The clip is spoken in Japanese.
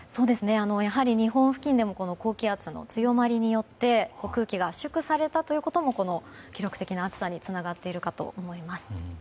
やはり、日本付近でも高気圧の強まりによって空気が圧縮されたことも記録的な暑さにつながっているかと思います。